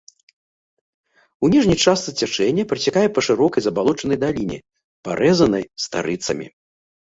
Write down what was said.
У ніжняй частцы цячэння працякае па шырокай забалочанай даліне, парэзанай старыцамі.